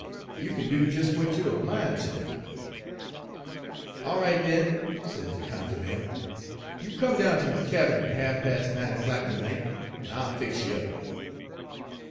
You kin do des w'at you er mineter.' " 'All right, den,' sez de cunjuh man, 'you come down ter my cabin at half past nine o'clock ter night, en I'll fix you up.'